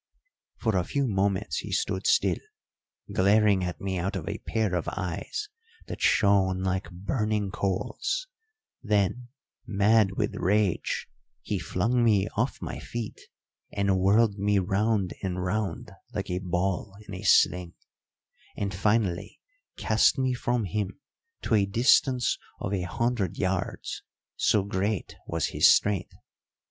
"For a few moments he stood still, glaring at me out of a pair of eyes that shone like burning coals; then, mad with rage, he flung me off my feet and whirled me round and round like a ball in a sling, and finally cast me from him to a distance of a hundred yards, so great was his strength.